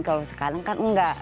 kalau sekarang kan enggak